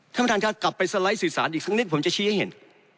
ท่านประธานครับกลับไปสไลด์สื่อสารอีกสักนิดผมจะชี้ให้เห็น